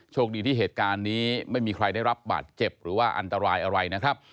โชคดีที่เหตุการณ์นี้ไม่มีใครได้รับบาดเจ็บหรือว่าอันตรายอะไรนะครับ